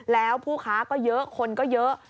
แล้วผู้ค้าก็เยอะคนก็เยอะ